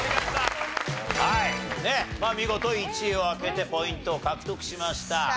ねえまあ見事１位を開けてポイントを獲得しました。